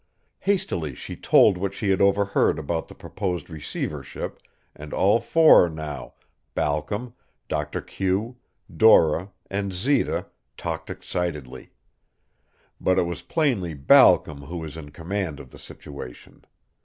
Hastily she told what she had overheard about the proposed receivership, and all four now Balcom, Doctor Q, Dora, and Zita talked excitedly. But it was plainly Balcom who was in command of the situation.